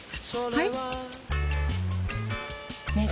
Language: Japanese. はい！